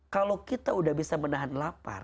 kalau kita udah bisa menahan lapar